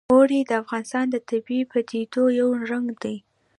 اوړي د افغانستان د طبیعي پدیدو یو رنګ دی.